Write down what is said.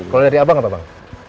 kalau dari abang apa bang